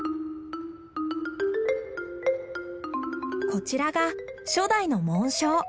こちらが初代の紋章。